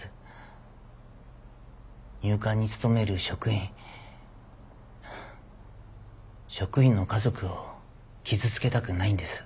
入管に勤める職員職員の家族を傷つけたくないんです。